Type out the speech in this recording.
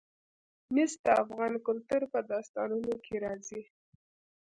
مس د افغان کلتور په داستانونو کې راځي.